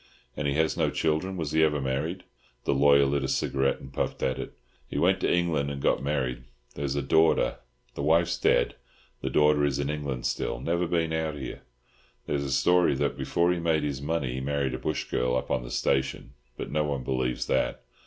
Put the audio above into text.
"And has he no children? Was he ever married?" The lawyer lit a cigarette and puffed at it. "He went to England and got married; there's a daughter. The wife's dead; the daughter is in England still—never been out here. There's a story that before he made his money he married a bush girl up on the station, but no one believes that.